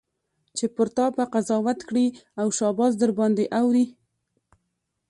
چي پر تا به قضاوت کړي او شاباس درباندي اوري